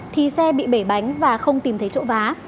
thì xe bị bể bánh và không tìm thấy chỗ vá